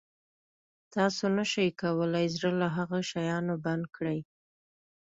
تاسو نه شئ کولای زړه له هغه شیانو بند کړئ.